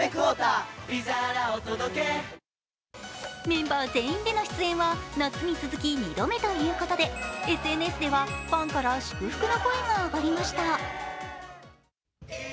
メンバー全員での出演は、夏に続き２度目ということで、ＳＮＳではファンから祝福の声が上がりました。